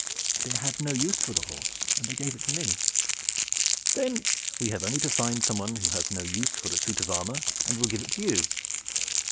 "They had no use for the horse, and they gave it to me." "Then we have only to find some one who has no use for a suit of armor and will give it to you.